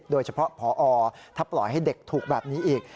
โดยเฉพาะพอถ้าปล่อยให้เด็กถูกแบบนี้อีก